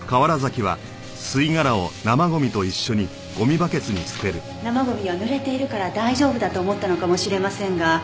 生ゴミは濡れているから大丈夫だと思ったのかもしれませんが